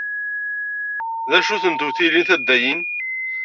D acu-ten tewtilin taddayin?